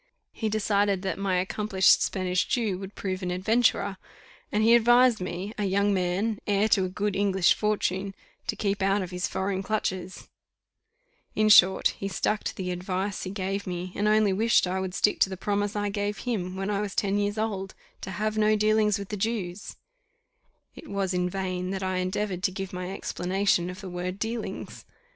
He decided that my accomplished Spanish Jew would prove an adventurer, and he advised me, a young man, heir to a good English fortune, to keep out of his foreign clutches: in short, he stuck to the advice he gave me, and only wished I would stick to the promise I gave him, when I was ten years old, to have no dealings with the Jews. It was in vain that I endeavoured to give my explanation of the word dealings.